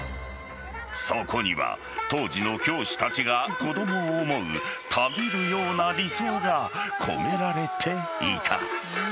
そこには当時の教師たちが子供を思うたぎるような理想が込められていた。